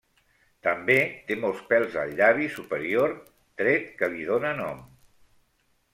També té molts pèls al llavi superior, tret que li dóna nom.